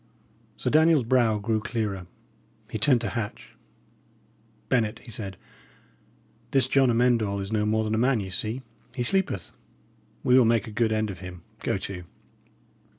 Sir Daniel's brow grew clearer. He turned to Hatch. "Bennet," he said, "this John Amend All is no more than a man, ye see. He sleepeth. We will make a good end of him, go to!"